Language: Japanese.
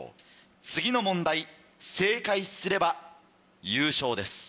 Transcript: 次の問題正解すれば優勝です。